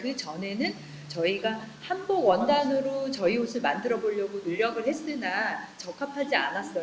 untuk membuat produk yang lebih dikasihkan oleh orang lain